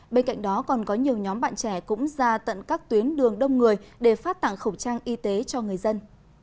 bên cạnh đó còn có nhiều nhóm bạn trẻ cũng ra tận các tuyến đường đông người để phát tặng khẩu trang y tế cho người dân